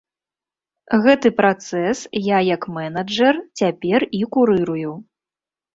Гэты працэс я як менеджэр цяпер і курырую.